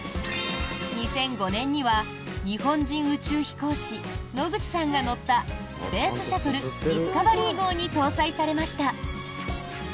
２００５年には日本人宇宙飛行士野口さんが乗ったスペースシャトル・ディスカバリー号に搭載されました。